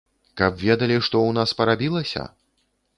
Каб ведалі, што ў нас парабілася?